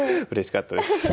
うれしかったです。